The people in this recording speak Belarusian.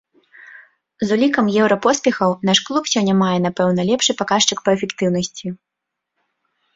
З улікам еўрапоспехаў наш клуб сёння мае, напэўна, лепшы паказчык па эфектыўнасці.